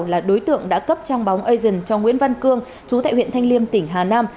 là đối tượng đã cấp trang bóng asian cho nguyễn văn cương chú tại huyện thanh liêm tỉnh hà nam